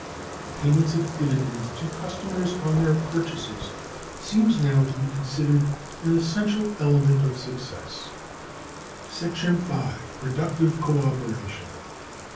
(321) The payment of dividends to customers on their purchases seems now to be considered an essential element of success. § 5. Productive Co Operation.